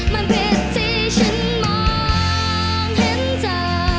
มันผิดที่ฉันมองเห็นเธอ